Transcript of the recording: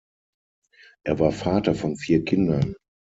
Er war Vater von vier Kindern.